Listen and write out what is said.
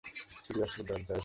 Seriously, দরজায় এসো।